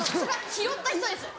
拾った人です。